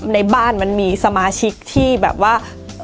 ในบ้านมันมีสมาชิกที่แบบว่า